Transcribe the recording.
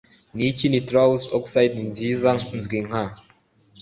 Niki Nitrous Oxide Nziza Nzwi Nka